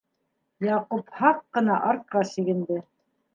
Яҡуп һаҡ ҡына артҡа сигенде.